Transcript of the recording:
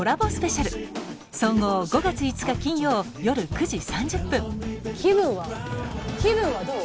総合５月５日金曜夜９時３０分気分はどう？